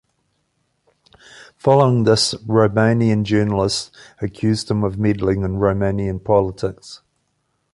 Following this, Romanian journalists accused him of meddling in Romanian politics.